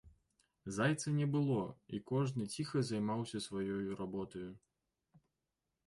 Зайца не было, і кожны ціха займаўся сваёю работаю.